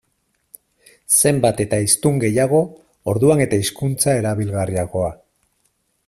Zenbat eta hiztun gehiago, orduan eta hizkuntza erabilgarriagoa.